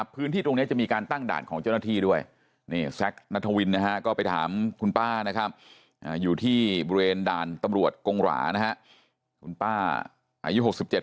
พื้นที่ตรงนี้มีการตั้งด่านของเจ้าหน้าที่ด้วย